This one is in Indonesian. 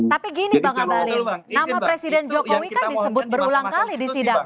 tapi gini bang abalin nama presiden jokowi kan disebut berulang kali di sidang